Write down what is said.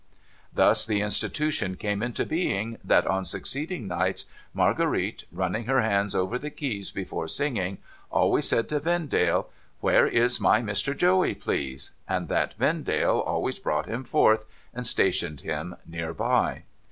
Thus the Institution came into being that on succeeding nights, Marguerite, running her hands over the keys before singing, always said to Vendale, ' Where is my Mr. Joey, please ?' and that Vendale always brought him forth, and stationed him near by.